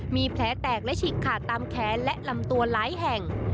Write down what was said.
มีแผลแตกและฉีกขาดตามแขนและลำตัวหลายแห่ง